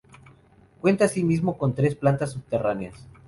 Cuenta asimismo con tres plantas subterráneas.